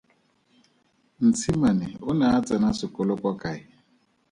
Ntshimane o ne a tsena sekolo kwa kae?